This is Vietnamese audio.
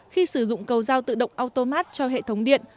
khi sử dụng cầu dao tự động automat cho hệ thống điện